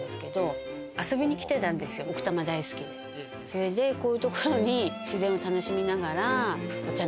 それでこういう所に自然を楽しみながらお茶